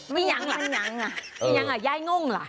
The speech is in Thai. ไม่ยังเหรอไม่ยังเหรอยายง่วงเหรอ